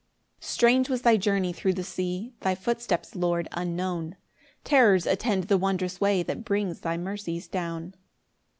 7 Strange was thy journey thro' the sea, Thy footsteps, Lord, unknown, Terrors attend the wondrous way That brings thy mercies down.